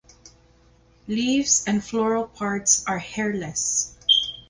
Leaves and floral parts are hairless.